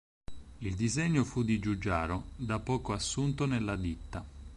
Il disegno fu di Giugiaro, da poco assunto nella ditta.